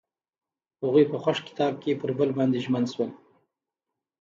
هغوی په خوښ کتاب کې پر بل باندې ژمن شول.